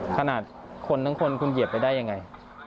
ขนาดคนทั้งคนคุณเหยียบไปได้ยังไง